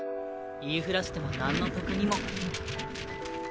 言い触らしてもなんの得にも。